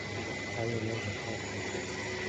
پای من حساب کنید.